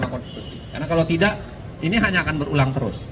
karena kalau tidak ini hanya akan berulang terus